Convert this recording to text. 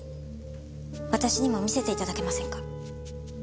私にも見せて頂けませんか？